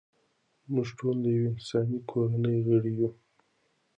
موږ ټول د یوې انساني کورنۍ غړي یو.